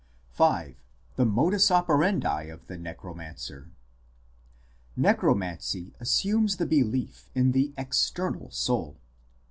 V. THE MODUS OPERANDI OF THE NECROMANCER Necromancy assumes the belief in the " external soul."